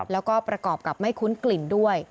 แล้วก็ประกอบกับไม่คุ้นกลิ่นด้วย